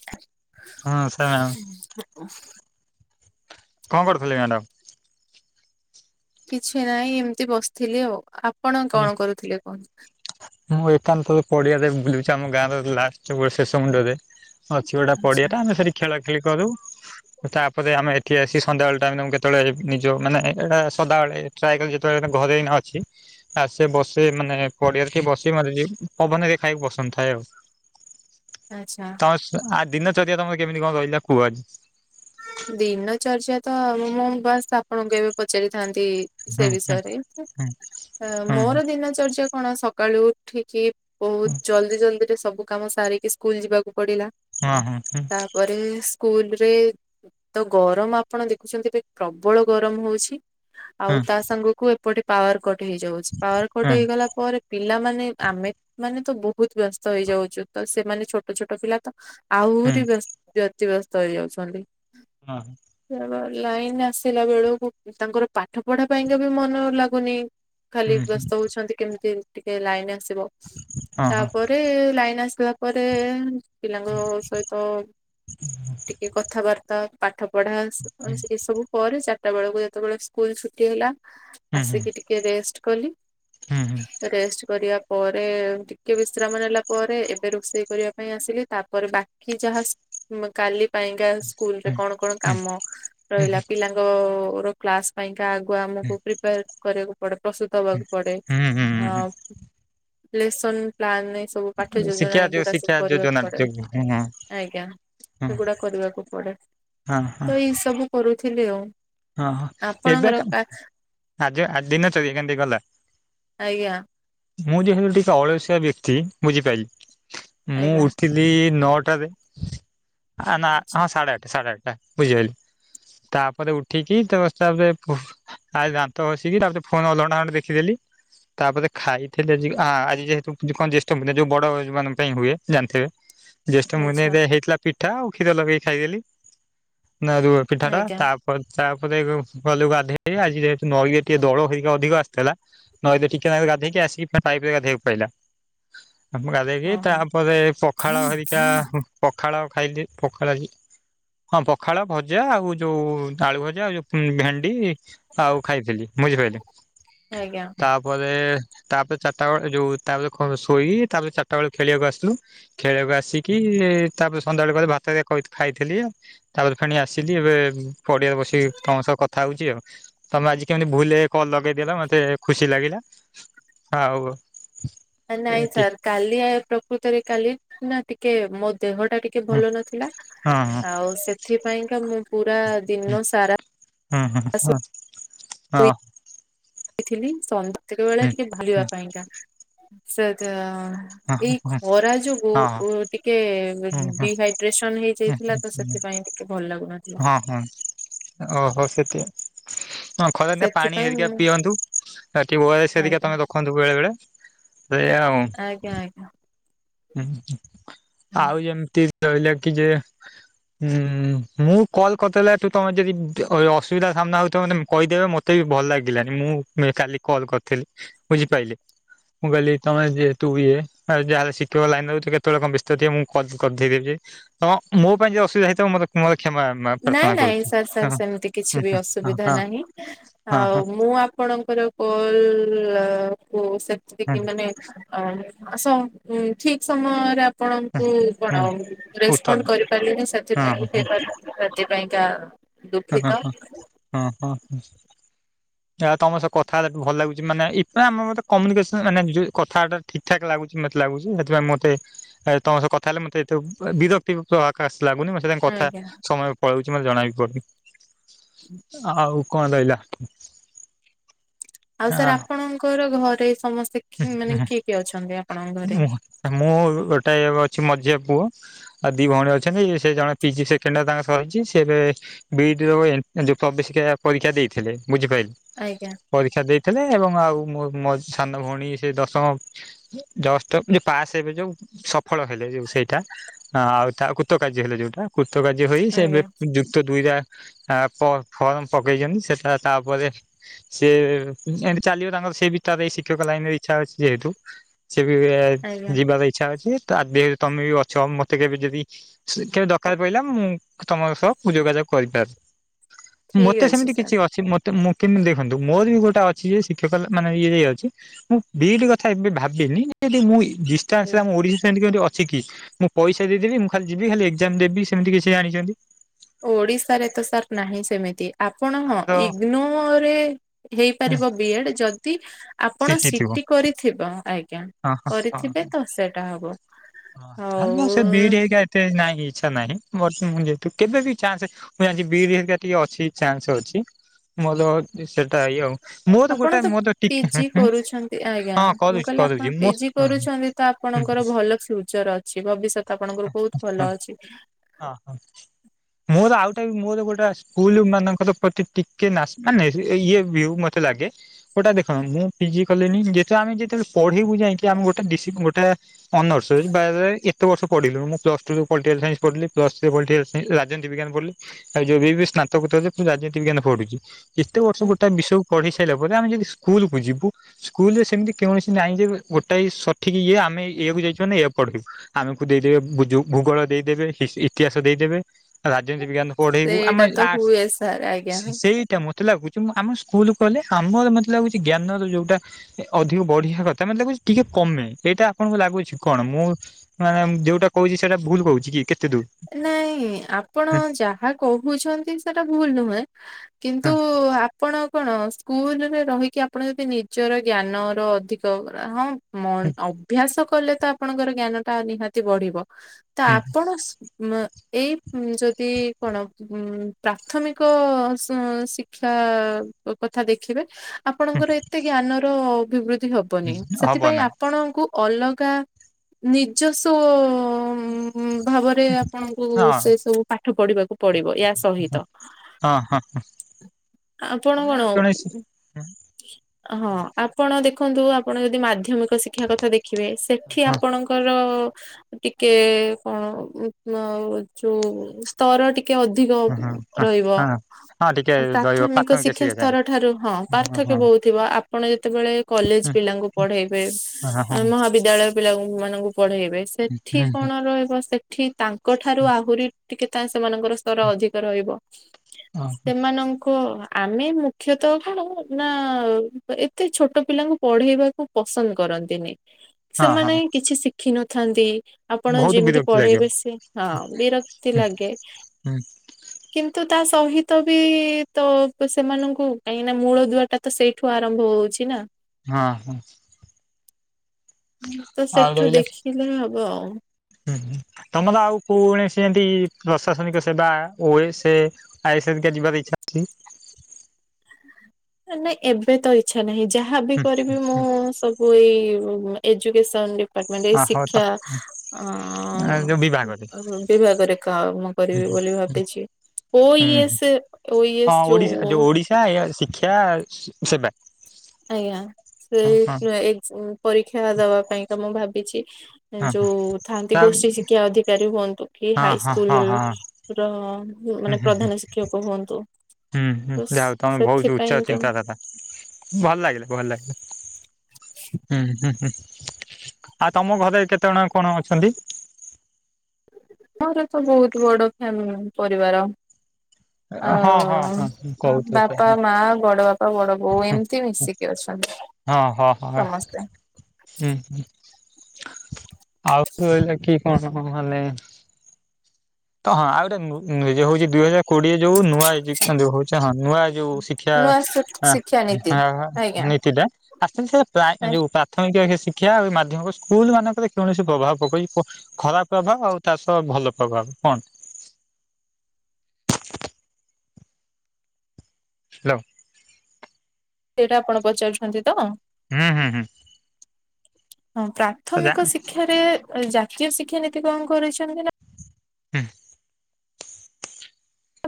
ହଁ। କଣ ଥିଲେ ମ୍ୟାଡ଼ାମ? କିଛି ନାହିଁ ଏମିତି ବସିଥିଲି ଆଉ ଆପଣ କଣ କରୁଥିଲେ କୁହନ୍ତୁ? ମୁଁ ଏକାନ୍ତ ପଡିଆରେ ବୁଲୁଛି ଆମ ଗାଁ ର ଲାଷ୍ଟ ଗୋ ଶେଷ ମୁଣ୍ଡରେ। ଅଛି ଗୋଟା ଆଚ୍ଛା ପଡିଆଟା ଆମେ ସେଠି ଖେଳା ଖେଳି କରିଦେବୁ ତାପରେ ଆମେ ଏଠି ଆସି ସନ୍ଧ୍ୟାବେଳେ ଟା ଆମେ ତା କେତେବେଳେ ନିଜ ମାନେ ଏଇଟା ସଦାବେଳେ ଟ୍ରଲ ଯେତେବେଳେ ଘରେ ଅଛି ଆସ ବସେ ମାନେ ପଡିଆ ସେ ବସେଇ ମାର ପବନରେ ଖାଇବାକୁ ପସନ୍ଦ ଥାଏ ଆଉ ଆଚ୍ଛା। ତମ ଆ ଦିନ ଚର୍ଯ୍ୟା ତମର କେମିତି କଣ ରହିଲା କୁହ। ଦିନ ଚର୍ଯା ତ ମୋ ମୋ ବାସ ଆପଣଙ୍କୁ ଏବେ ପଚାରିଥାନ୍ତି। ସେ ହୁଁ ହୁଁ ବିଷୟରେ ହୁଁ ମୋର ଦିନଚର୍ଯ୍ୟା କଣ ସକାଳୁ ଉଠିକି ବହୁତ ଜଲ୍ଦି ଜଲଦି ରେ ସବୁ କାମ ସାରିକି ସ୍କୁଲ ଯିବାକୁ ପଡିଲା। ହୁଁ ହୁଁ ହଁ ହଁ ତାପରେ ସ୍କୁଲ ରେ ତ ଗରମ ଆପଣ ଦେଖୁଛନ୍ତି ଏବେ ପ୍ରବଳ ଗରମ ହଉଛି। ହୁଁ ଆଉ ତା ସାଙ୍ଗ କୁ ଏପଟେ ପାୱାର କଟ ହେଇଯାଉଛି ପାୱାର କଟ ହୁଁ ହେଇଗଲା ପରେ ପିଲାମାନେ ଆମେ ମାନେ ତ ବହୁତ ବ୍ୟସ୍ତ ହେଇଯାଉଛୁ ତ ସେମାନେ ଛୋଟ ଛୋଟ ପିଲା ତ ହୁଁ ଆହୁରି ହୁଁ। ବ୍ୟସ୍ତ ବ୍ୟତିବ୍ୟସ୍ତ ହେଇଯାଉଛନ୍ତି ହଁ ଲାଇନ ଆସିଲା ବେଳକୁ ତାଙ୍କର ପାଠ ପଢା ପାଇଁକା ବି ମନ ଲାଗୁନି ଖାଲି ହଁ ବ୍ୟସ୍ତ ହଉଛନ୍ତି କେମିତି ଟିକେ ଲାଇନ ଆସିବ ହଁ ହଁ ତାପରେ ରେ ଲାଇନ ଆସିଲା ପରେ ପିଲାଙ୍କ ସହିତ ଟିକେ କଥାବାର୍ତ୍ତା ତ ପାଠ ପଢା ଏସବୁ ପରେ ଚାରିଟା ବେଳକୁ ଯେତେବେଳେ ସ୍କୁଲ ଛୁଟି ହେଲା ହୁଁ ହୁଁ ଆସିକି ହୁଁ ଟିକେ ରେଷ୍ଟ କଲି ହୁଁ ରେଷ୍ଟ କରିବା ପରେ ଟିକେ ବିଶ୍ରାମ ନେଲା ପରେ ଏବେ ରୋଷେଇ କରିବା ପାଇଁ ଆସିଲି ତାପରେ ବା କି ଯାହା ମ କାଲି ପାଏଙ୍ଗା ସ୍କୁଲରେ ହୁଁ କଣ କଣ ହୁଁ। କାମ ହୁଁ ରହିଲା ପିଲାଙ୍କ କ୍ଲାସ ପାଇଁକା ଆଗୁଆ ହୁଁ ଆମକୁ ପ୍ରିପେୟାର କରିବାକୁ ପଡେ ପ୍ରସ୍ତୁତ ହବାକୁ ପଡେ ହୁଁ ହୁଁ ଅ ହୁଁ ଲେସନ୍ ପ୍ଲାନ୍ ସବୁ ପାଠ୍ୟ ହୁଁ ଯୋଜନା ଶିକ୍ଷା ଯୋଉ ଏଗୁଡା ସବୁ ଶିକ୍ଷା କରିବାକୁ ଯୋଜନାଟା ପଡେ ଯୋଉ ହଁ ହଁ ଆଜ୍ଞା ସେଗୁଡା କରିବାକୁ ହଁ ତ ଏଇ ସବୁ କରୁଥିଲି ଆଉ ହଁ ହଁ ଏବେ ଆପଣଙ୍କର କା ଆଜି ଆଜି ଦିନ ଚରି କେମୀତି ଗଲା ଆଜ୍ଞା ମୁଁ ଯେହେତୁ ଟିକେ ଅଳଶୁଆ ବ୍ୟକ୍ତି ବୁଝିପାଇଲୁ ମୁଁ ଆଜ୍ଞା ଉଠିଲି ନଅଟାରେ ଆ ନା ହଁ ଆଚ୍ଛା ସାଢ଼େ ଆଠା ସାଢ଼େ ଆଠଟା ବୁଝିଗଲି ତାପରେ ଉଠ ଠିକି ତା ତାପରେ ତାପରେ ଦାନ୍ତ ଘସିକି ତାପରେ ଫୋନ ଅଧଘଣ୍ଟା କେତେ ଦେଖିଦେଲି ତାପରେ ଖାଇଥିଲେ ଆ ଆଜି ଯେହେତୁ କଣ ଜ୍ୟେଷ୍ଠି ଯୋଉ ବଡ ମାନ ପାଇଁ ହୁଏ ଜାଣିଥିବେ [inaudible] ଜ୍ୟେଷ୍ଠ ମନ ଆଚ୍ଛା ହେଇଥିଲା ପିଠା କ୍ଷୀର ଲଗେଇକି ଖାଇଦେଲି ନା ରୁ ପିଠା ଟା ଆଜ୍ଞା ତା ତାପରେ ଗ ଗଲୁ ଗାଧେଇ ଆଜି ଯେହେତୁ ନଈ ରେଟିକେ ଦଳ ହେଇକି ଅଧିକ ଆସିଥିଲା ନଇରେ ଟିକେ ନାରୁ ଗଧୋଇକି ଆସିକି ଫେ ପାଇପ ରେ ଗାଧେଇବାକୁ ପଇଲା ଆମ ହଁ ଗାଧେଇକି ହଁ ତାପରେ ପଖାଳ ହେରିକା ହୁ ପଖାଳ ଖାଇଲି ପଖାଳ ହଁ ପଖାଳ ଭଜା ଆଉ ଯୋଉ ଆଳୁ ଭଜା ଆଉ ଯୋଉ ଭେଣ୍ଡି ଆଉ ଖାଇଥିଲି ବୁଝିପାଇଲେ ଆଜ୍ଞା ତାପରେ ତାପରେ ଚାରିଟା ବେଳ ଯୋଉ ତାପ ଖ ଶୋଇ ତାପରେ ଚାରିଟା ବେଳ ଖେଳିବାକୁ ଆସିଲୁ ଖେଳକୁ ଆସିକି ତାପରେ ସନ୍ଧ୍ୟାବେଳେ କ ଭାତ ହରି କା କଇ ଖାଇଥିଲି ତାପରେ ଫେଣି ଆସିଲି ଏବେ ପଡିଆରେ ବସିକି ତମ ସହ କଥା ହଉଛି ଆଉ ତମେ ଆଜି କେମିତି ଭୁଲରେ କଲ ଲଗେଇଦେଲ ମତେ ଖୁସି ଲାଗିଲା ଆଉ ନାଇଁ ଏତିକି। ସାର୍ କାଲି ଆ ପ୍ରକୃତରେ କାଲି ନା ଟିକେ ମୋ ଦେହ ଟା ଟିକେ ଟିକେ ହୁଁ ଭଲ ନଥିଲା ହଁ ହଁ ଆଉ ସେଥିପାଇଁକା ମୁଁ ପୁରା ହୁଁ ଦିନ ସାରା ହୁଁ ହୁଁ ହଁ ହଁ ଥିଲି ସନ୍ଧ୍ୟା ବେଳେ ହଁ ହୁଁ। ଟିକେ ହୁଁ ଭୁଲିବା ପାଇଁକା ସେ [unintelligible] ହଁ ଏଇ ଖରା ଯୋଗୁ ହଁ ଟିକେ ହଁ ହୁଁ ହୁଁ। ଡିହାଇଡ୍ରେସନ ହେଇଯାଇଥିଲା ତ ସେ ହୁଁ ସେଥିପାଇଁ ଟିକେ ଭଲ ଲାଗୁନଥିଲା ହଁ ହଁ ଓହୋ ସେତି ହ ଖରା ନି ପାଣି ସେଥିପାଇଁ ହେରିକା ମୁଁ ପିଅନ୍ତୁ ବାକି ଓ ଆର ଏସ ହେରୀକା ଆଜ୍ଞା ତମେ ର ରଖନ୍ତୁ ବେଳେ ବେଳେ ସେ ଆଉ ଆଜ୍ଞା ଆଜ୍ଞା ହୁଁ ଆଉ ଯେମିତି ରହିଲା କି ଯେ ହୁଁ ମୁଁ କଲ୍ କରିଦେଲେ ଏଠୁ ତମେ ଯଦି ଅ ଅସୁବିଧା ସାମ୍ନା ହଉଥବ ମାନେ କହିଦେବେ ମତେ ମତେ ବି ଭଲ ଲାଗିଲାନି ମୁଁ କାଲି କଲ କରିଥିଲି ବୁଝିପାରିଲେ? ମୁଁ ଗଲି ତମେ ଯେ ତୁ ବିଇଏ ଯ କେବଳ ଲାଇନ ରଉିବ କେତେବେଳେ କା ବ୍ୟସ୍ତ ଥିବ ମୁଁ କରି ଦେଇେବ ଯେ ହଁ ମୋ ପାଇଁ ଯେ ଅସୁବିାଇ ମତେୋ କ୍ଷମା ନାଇଁ ପ୍ରାର୍ଥନା ନାଇଁ କରୁଛି। ସାର୍ ସାର୍ ହଁ ସେମିତି ହୁଁ କିଛି ବି ହୁଁ ଅସୁବିଧା ନାହିଁ ହଁ ଆଉ ହଁ ମୁଁ ଆପଣ ଆପଣଙ୍କର କଲ କୁ ହଁ ସେତିତିକି ମାନେ ଅ ଠିକ ସମୟରେ ହଁ ଆପଣଙ୍କୁ ହଁ କଣ ଉତ୍ତର ରେସପଣ୍ଡ କରିପାରିଲେିନି ହଁ ହଁ ସେଥିପାଇଁପାରି ସେଥିପାଇଁକା ହ ହଁ ହଁ ହଁ ହଁ ହଁ। ଆ ତମ ସହ କଥା ହେଲେ ଭଲ ଲାଗୁଚି ମାନେ ଇପା ଆମ କମ୍ୟୁନିକେସନ ମାନେ ଯୋଉ କଥାଟା ଠିକ ଠାକ୍ ଲାଗୁଛି ମତେଲାଗୁଛି ସେଥିପାଇଁ ମତେ ଆ ତମ ସହ କଥା ହେଲେ ମତେ ଏତେ ବିରକ୍ତି ପ୍ରଭଖାସ ଲାଗୁନି। ମ ତାଙ୍କ କଥା ଆଜ୍ଞା ସମୟ ପଲାଉଚି ମୋତେ ଜଣାବି ପଡୁନି [unintelligible] ଆଉ କଣ ରହିଲା। ଆଉ ସାର୍ ଆପଣଙ୍କର ଘରେ ସମସ୍ତେ ମାନେ ହ କିଏ କିଏ ଅଛନ୍ତି ଆପଣଙ୍କ ଘରେ? ହୁଁ ମୁ ମୁଁ ଗୋଟେ ଅଛି ମଝିଆ ପୁଅ ଆଉ ଦି ଭଉଣୀ ଅଛନ୍ତି ସେ ଜଣେ ପିଜି ସେକେଣ୍ଡରେ ତାଙ୍କର ସରିଛି ସେବେ ବି ଇ ଡି ର ପ୍ରବେସିକା ପରୀକ୍ଷା ଦେଇଥିଲେ ବୁଝିପାରିଲେ। ଆଜ୍ଞା। ପରୀକ୍ଷା ଦେଇଥିଲେ ଏବଂ ଆଉ ମୋ ମୋ ସାନ ଭଉଣୀ ସେ ଦଶମ ଦଶ ପାସ୍ ହେବେ ଯୋଉ ସଫଳ ହେଲେ ଯୋଉ ସେଇଟା। ହଁ ଆଉ ତା କୃତ କାର୍ଯ୍ୟ ହେଲେ ଯୋଉଟା କୃତ କାର୍ଯ୍ୟ ହେଇ ସେ ଆଜ୍ଞା ଯୁକ୍ତ ଦୁଇଟା ଫର୍ମ ପକାଇଛନ୍ତି ସେଟା ତାପରେ ସେ ଏମିତି ଚାଲିବ ତାଙ୍କର ସେ ବି ତା ଦେଇିଖ ଶିକ୍ଷକ ଲାଇନ ର ଇଚ୍ଛା ଅଛି ଯେହେତୁ ସେ ବି ଆଜ୍ଞା ଯିବାର ଇଛା ଅଛି ତ ତମେ ବି ଅଛ ମତେ କେବେ ଯଦି କେବେ ଦରକାର ପଡ଼ିଲା ମୁଁ ତମର ସହ ଯୋଗାଯୋଗ କରିପାରୁି ଠିକ ମତେ ଅଛି ସେମିତି ସାର୍ କିଛି ଅଛି ମତେ ତ ମୁଁ କେମିତି ଦେଖନ୍ତୁ ମୋର ବି ଗୋଟେ ଅଛି ଯେ ଶିକ୍ଷକ ମାନେ ଇଏ ଯାଇ ଅଛି। ମୁଁ ଦ କଥା ଏବେ ଭାବିନି ଆଜ୍ଞା। ମୁଡିାସ ଓଡିଶାମତିତି ଅଛି କି? ମୁଁ ପଇସା ଦେଇଦବିଁ ଖାଲି ଯିବି ଖାଲି ଏକ୍ଜାମ ଦେବି ସେମିତି କିଛି ଜାଣିଛନ୍ତି? ଓଡିଶାରେ ତ ସାର୍ ନାହିଁ ସେମିତି ଆପଣ ହଁ ଆନ୍ଦ ଇଗନୋରରେ ହେଇପାରିବ ବି ଏଡ୍ ଯଦି ଆପଣ ସିଟି କରିଥିବ ଆଜ୍ଞା। ହଁ ହଁ କରିଥିବେ ତ ସେଟା ହବ। ହଁହେଲେ ଆଉ ସେ ବିଡ ହେଇ ଏତେହିଁ ଇ୍ଛା ନାହିଁ ବତ୍ ଯେହେତୁ କେବେ ବି ଚାନ୍ସ ମୁଁ ଜାଣିଛି ବି ଟିକେ ଅଛି ଚାନ୍ସ ଅଛି ମୋର ସେଟା ଏଇ ଆଉ ମୋ ତ ଆପଣ ଗୋଟା ମୋ ତ ଟିକେ ହଁ ପିଜି କରୁଛନ୍ତି ଆଜ୍ଞା ମୁଁ କରିଦଉଛି କହିଲି ଆପଣ କହିଦଉଛି ମୋ ପିଜି ହଁ କରୁଛନ୍ତି ତ ଆପଣଙ୍କର ଭଲ ଫୁଜର ଅଛି ଭବିଷ୍ୟତ ଆପଣଙ୍କର ବହୁତ ଭଲ ଅଛି। ହଁ ହଁ। ମୋର ଆଉଟା ବି ମୋର ଗୋଟେ ସ୍କୁଲ ମାନଙ୍କର ପ୍ରତି ଟିକେ ନା ମାନେ ଇଏ ଭ ମ କେତେ ଲାଗେ। ଗୋଟା ଦେଖ ମୁଁ ଫିଜିକାଲି ଯେହେ ଆେ ଯେତେବେଳେ ପଢିବକୁୁ ଯାଇକି ଆମେ ଗୋଟେ ଗୋଟେ ଅନର୍। ାରାରେ ଏତ ବର୍ଷଢିଲୁଁ୍ସ୍ ଟୁ ପଲିଟିକଲାଇନ୍ ପ଼ିଲି ପ୍ସ୍ ଥ ପଲିିକାଲ ରାଜନତି ବିଜ୍ଞାନ ପଢିଲି। ଆଉ ଯବେ ବି ସ୍ନାତକତ ରାଜନୀତି ବିଜ୍ଞାନ ପଢୁଛି ଏତେ ବର୍ଷ ଗୋଟ ବିଷୟକୁ ପଢେଇ ସାରିଲ ଆମେ ଯଦି ସ୍କୁଲକୁୁ ଯିବୁ ସ୍କୁଲ ରେ ସେମିତି କୌଣସି ନାହିଁ ଯେ ଗୋଟାଏ ସଠିକ ଇଏ ଆମେ ଇଏକୁ ଯାଇଛୁ ପଢିବୁ ଆମକୁ ଦେଇଦେବେ ଭୂଗୋଳ ଦେଇଦେବେ ଇତିହାସ ଦେଇଦେବେ ରାଜନୀତି ବିଜ୍ଞାନ ପଢେଇବୁ। ସେଇଟା ଆମର ଏଇ ତ ଆର୍ଟସ ହୁଏ ସାର୍ ଆଜ୍ଞା। ସେ ସେଇଟା ମ। ତେ ଲାଗୁଚି ମୁଁ ଆମ ସ୍କୁଲ ଖୋଲିଲେ ଆମର ମତେ ଲାଗୁଚି ସମୟ ଜ୍ଞାନର ଯୋଉଟା ଏ ଅଧିକ ବଢିଆ କଥା। ମତେ ଲାଗୁଚି ଟିକେ କମେ। ଏଇଟା ଆପଣଙ୍କୁ ଲାଗୁଛି। କଣ ମୁଁ ମାନେ ଯୋଉଟା କହୁଚି ସେଟା ଭୁଲ କହୁଚି କି? କେ ନାଇଁ ଆପଣ ଯାହା କହୁଛନ୍ତି ସେଟା ଭୁଲ୍ ନୁହେଁ। କିନ୍ତୁ ଆପଣ କଣ ସ୍କୁଲୁରେ ରହିକି ଆପଣ ଯଦି ନିଜର ଜ୍ଞାନର ଅଧିକ୍ ତଗରା ହଁ। ମନ୍ ହୁଁ ଅଭ୍ୟାସ କଲେ ତ ଆପଣଙ୍କର ଜ୍ଞାନଟା ନିହାତି ବଢିବ। ତ ହୁଁ ଆପଣ ସ୍ ଉ ଏଇ ଯଦି କଣ? ଉ ପ୍ରାଥମିକ ଶିକ୍ଷା କଥା ଦେଖିବେ। ହୁଁ ଆପଣଙ୍କର ଏତେ ଜ୍ଞାନର ଅଭିବୃଦ୍ଧି ହବନି। ହବ ସେଥିପାଇଁ ନାହିଁ ଆପଣଙ୍କୁ ଅଲଗା ନିଜସ୍ୱ ଭାବରେ ଆପଣଙ୍କୁ ହଁ ସେ ସବୁ ପାଠ ପଢିବାକୁ ପଡିବ। ୟା ସହିତ। ହଁ ହଁ। ଆପଣ ତମେ କଣ? କୌଣସି ହଁ ହଁ। ଆପଣ ଦେଖନ୍ତୁ ଆପଣ ଯଦି ମାଧ୍ୟମିକ ଶିକ୍ଷା କଥା ଦେଖିବେ। ସେଠି ଆପଣଙ୍କର ଟିକେ କଣ ଯୋଉ ସ୍ତର ଟିକେ ଟିକେ ଅଧିକ ହଁ ହଁ ରହିବ। ହଁ ହଁ ଟିକେ ରହିବ ପ୍ରାଥମିକ ଶିକ୍ଷା ଯାଏଁ ସ୍ତର ଠାରୁ ହଁ ହଁ ପାର୍ଥକ୍ୟ ହଁ ବହୁ ଥିବ। ଆପଣ ଯେତେବେଳେ କଲେଜ ପିଲାଙ୍କୁ ପଢେଇବେ। ହଁ ହଁ ମହାବିଦ୍ୟାଳୟ ପିଲା ଉ ମାନଙ୍କୁ ପଢେଇବେ। ସେଠି ହଁ କଣ ରହିବ? ସେଠି ତା କ ଠାରୁ ଆହୁରି ଟିକେ ତା ସେମାନଙ୍କର ସ୍ତର ଅଧିକ ରହିବ। ସେମାନ କଅ ଆମେ ମୁଖ୍ୟତ କଣ ନା ଏତେ ଛୋଟ ପିଲାଙ୍କୁ ପଢେଇବାକୁ ପସନ୍ଦ କରନ୍ତିନି। ହଁ ହଁ ସେମାନେ କିଛି ଶିଖିନଥାନ୍ତି। ଆପଣ ବହୁତ ଯେମିତି ବିରକ୍ତି ଲାଗିବ ପଢେଇବେ। ସେ ହଁ ବିରକ୍ତି ହୁଁ ଲାଗେ। [inaudible] କିନ୍ତୁ ତା ସହିତ ବି ତ ପ୍ ସେମାନଙ୍କୁ କାହିଁକି ନା ମୂଳ ଦୁଆ ଟା ତ ସେଇଠୁ ଆରମ୍ଭ ହଉଚି ନା। ହଁ ହଁ। ଉଁ ତ ସେଠୁ ଦେଖିଲେ ହବ ଆଉ। ଉଁ ହୁଁ ତମର ଆଉ କୌଣସି ଏମତି ପ୍ରଶାସନିକ ସେବା ହୁଏ। ସେ ଆଇ ସେମତିଆ ଯିବାର ଇଚ୍ଛା ଅଛି। ନାଇଁ ଏବେ ତ ଇଚ୍ଛା ନାହିଁ। ଯାହାବି ହୁଁ କରିବି ମୁଁ ହୁଁ ସ ସବୁ ଏଇ ଏଜୁକେସନ ଡି ପାଟମେଣ୍ଟ ଏଇ ଅ ହଉ ତ ଶିକ୍ଷା ଯୋଉ ବିଭାଗରେ ଅଁ ବିବାଗରେ ଖାମ। ହୁଁ କରିବି ବୋଲି ହୁଁ ଭାବିଛି। ହୁଁ ଓଇଏସ୍ ଓୟେସ୍ ଯୋଉ ୟା ୟାର ଶିକ୍ଷା ସେବା। ଆଜ୍ଞା ହଁ ହଁ ସେଇ ଏକ୍ଜା ପରୀକ୍ଷା ଦବା ପାଇଁକା ମୁଁ ଭାବିଚି। ହଁ ଯୋଉ ଥାଆନ୍ତି ହଁ ଗୋଷୀ ଶିକ୍ଷା ଅଧିକାରୀ ହୁଅନ୍ତୁ। କି ହଁ ହଁ ହାଇସ୍କୁଲ ହଁ ର ହୁଁ ମାନେ ହୁଁ ହୁଁ ପ୍ରଧାନ ଶିକ୍ଷକ ହୁଅନ୍ତୁ। ହୁଁ ହୁଁ ତ ଯାହା ହଉ ତମେ ବହୁତ୍ ଉଚ୍ଚ ସେଥିପାଇଁକା ଚିନ୍ତାଧାରା। ଭଲ ଲାଗିଲା ଭଲ ଲାଗିଲା। ଉୁଁ ହୁଁ ହୁଁ। ଆଉ ତମ ଘରେ କେତେ ଅଣ କଣ ଅଛନ୍ତି? ମୋର ତ ବହୁତ୍ ବଡ ଫ୍ୟାମି ପରିବାର। ହଁ ହଁ ଆଉ ହଁ କହୁଥିଲେ ପ୍ରାୟ ବାପା ମା ବଡ ବା ତ ବଡ ବୋଉ ହଁ ଏମତି ମିଶିକି ଅଛନ୍ତି ସମସ୍ତେ। ଉଁ ହୁଁ ଆଉ ଲେଖିକି କଣ ମାନେ ତ ହଁ ଆଉ ଗୋଟେ ନୁ ହଉଛି ଦୁଇ ହଜାର କୋଡିଏ ଯୋଉ ନୂଆ [unintelligible] ନୂଆ ଯୋଉ ଶିକ୍ଷା ନୂଆ ହ ଶିକ୍ଷାନୀତି ହ ଆଜ୍ଞା ନୀତି ଟା [unintelligible] ପ୍ରାଥମିକ ଶିକ୍ଷା ମାଧ୍ୟମ ସ୍କୁଲ ମାନଙ୍କରେ କୌଣସି ପ୍ରଭାବ ପକେଇ [unintelligible] ଖରାପ ପ୍ରଭାବ ଆଉ ତା ସହ ଭଲ ପ୍ରଭାବ କଣ? ହ୍ୟାଲୋ ସେଇଟା ଆପଣ ପଚାରୁଛନ୍ତି ତ? ହୁଁ ହୁଁ ହୁଁ ହଁ ଯା ପ୍ରାଥମିକ ଶିକ୍ଷାରେ ଏ ଜାତୀୟ ଶିକ୍ଷାନୀତି କଣ କରିଛନ୍ତି ନା। ହୁଁ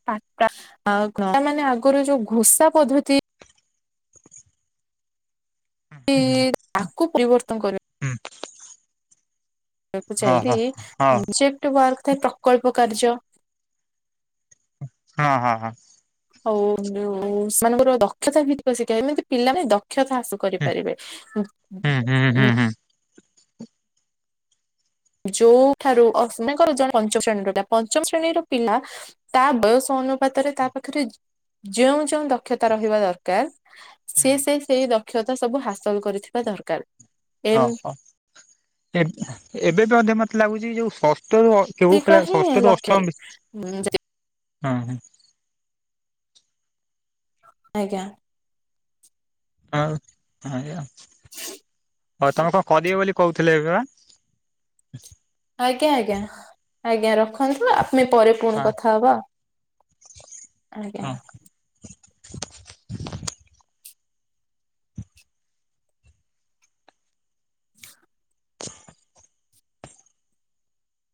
[unintelligible] ତା ମାନେ ଆଗରୁ ଯୋଉ ଘୁସା ପଦ୍ଧତି ଇ ତାକୁ ପ୍ରିୟବର୍ତ୍ତନ କରି ହୁଁ [unintelligible] ହଁ ସିପ୍ଟି ହଁ ୱାର୍କ ଥାଏ ପ୍ରକଳ୍ପ କାର୍ଯ୍ୟ। ହଁ ହଁ ହଁ। ହୋଉ ସେମାନଙ୍କର ଦକ୍ଷତା ଭିତିକ [unintelligible] ଶିଖାଏ ଏମିତି ପିଲା ନାଇଁତ କ୍ଷତା ଆସୁ କରିପାରିବେ। ଉୁଁ ହୁଁ ହୁଁ ହୁଁ ହୁଁ। ଯୋଉଠାରୁ ଅ ସେମାଙ୍କର ଜଣେ ପଞ୍ଚମ ଶ୍ରେଣୀର ଲା ପଞ୍ଚମ ଶ୍ରେଣୀର ପିଲା। ତା ବୟସ ଅନୁପାତରେ ତା ପାଖରେ ଯ ଯେଉଁ ଯେଉଁ ଦକ୍ଷତା ରହିବା ଦରକାର ସିଏ ସେଇ ସେଇ ଦ କ୍ଷତା ସବୁ ହାସଲ କରିଥିବା ଦରକାର। ହଁ ହଁ ଏବେ ବି ମଧ୍ୟ ମୋତେ ଲାଗୁଛି ଯୋଉ ଷଷ୍ଠରୁ ଅ କେଉ ଏମିତିକା କ୍ଲାସ ହିଁ ଷଷ୍ଠ ରୁ ଲକ୍ଷ୍ୟ ଅଷ୍ଟମ ହଁ ଆଜ୍ଞା ହଁ ଆଜ୍ଞା ଆଉ ତମେ କଣ କରିବ ବୋଲି କହୁଥିଲେ ଏବେ ବା ଆଜ୍ଞା ଆଜ୍ଞା ଆଜ୍ଞା ରଖନ୍ତୁ ଆମେ ପରେ ପୁଣି ହଁ। କଥା ହବା ଆଜ୍ଞା ହଁ।